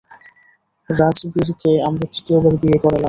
রাজবীরকে আমরা তৃতীয়বার বিয়ে করালাম।